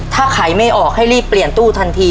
ถ้าขายไม่ออกให้รีบเปลี่ยนตู้ทันที